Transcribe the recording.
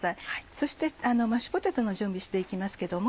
そしてマッシュポテトの準備して行きますけども。